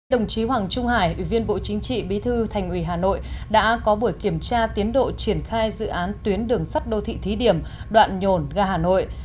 đồng chí hoàng trung hải ủy viên bộ chính trị bí thư thành ủy hà nội đã có buổi kiểm tra tiến độ triển khai dự án tuyến đường sắt đô thị thí điểm đoạn nhồn ga hà nội